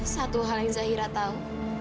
satu hal yang zahira tahu